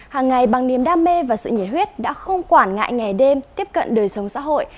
hàng ngày bằng niềm đam mê và sự nhiệt huyết đã không quản ngại ngày đêm tiếp cận đời sống xã hội